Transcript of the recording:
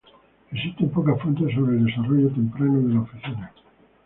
Existen pocas fuentes sobre el desarrollo temprano de la oficina.